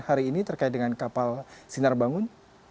hari ini terkait dengan kapal sinar bangun